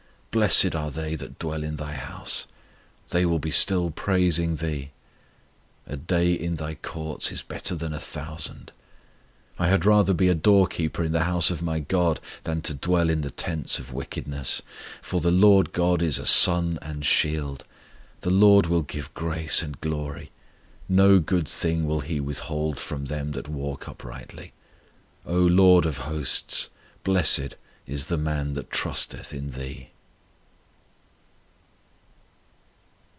Blessed are they that dwell in Thy house: They will be still praising Thee. ... A day in Thy courts is better than a thousand. I had rather be a doorkeeper in the house of my GOD Than to dwell in the tents of wickedness. For the LORD GOD is a Sun and Shield: The LORD will give grace and glory: No good thing will He withhold from them that walk uprightly. O LORD of hosts, Blessed is the man that trusteth in Thee!